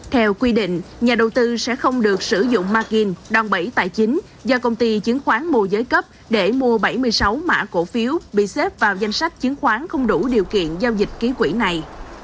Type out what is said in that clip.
theo quy định nhà đầu tư sẽ không được sử dụng margin đòn bẫy tài chính do công ty chứng khoán mô giới cấp để mua bảy mươi sáu mã cổ phiếu bị xếp vào danh sách chứng khoán không đủ điều kiện giao dịch ký quỹ này